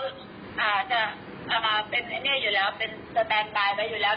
อาจจะเอามาเป็นแบบนี้อยู่แล้วเป็นสเตนไบล์ไว้อยู่แล้ว